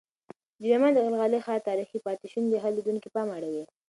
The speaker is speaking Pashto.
د بامیانو د غلغلي ښار تاریخي پاتې شونې د هر لیدونکي پام اړوي.